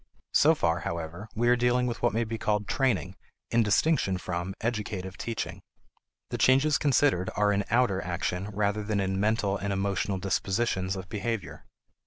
So far, however, we are dealing with what may be called training in distinction from educative teaching. The changes considered are in outer action rather than in mental and emotional dispositions of behavior.